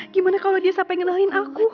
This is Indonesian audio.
gimana kalau dia sampai ngenalin aku